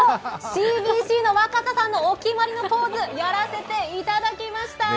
ＣＢＣの若狭さんのお決まりのポーズやらせていただきました。